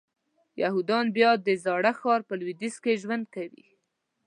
یهودیان بیا د زاړه ښار په لویدیځ کې ژوند کوي.